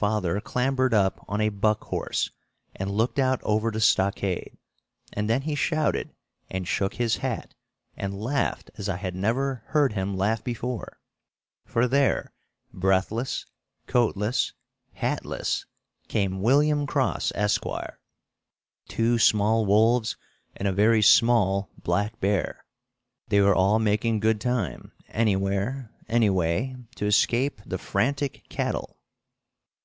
Father clambered up on a "buck horse" and looked out over the stockade; and then he shouted and shook his hat and laughed as I had never heard him laugh before. For there, breathless, coatless, hatless, came William Cross, Esq., two small wolves and a very small black bear! They were all making good time, anywhere, anyway, to escape the frantic cattle.